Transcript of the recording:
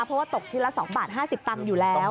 เพราะว่าตกชิ้นละ๒บาท๕๐ตังค์อยู่แล้ว